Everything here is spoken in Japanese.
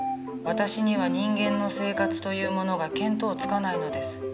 「私には人間の生活というものが見当つかないのです」。